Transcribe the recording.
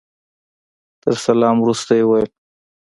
تر سلام وروسته يې وويل.